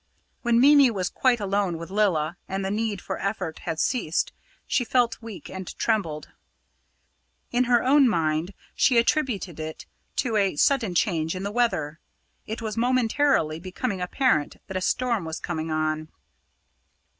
When Mimi was quite alone with Lilla and the need for effort had ceased, she felt weak and trembled. In her own mind, she attributed it to a sudden change in the weather it was momentarily becoming apparent that a storm was coming on.